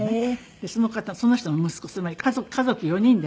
でその方その人の息子つまり家族４人でね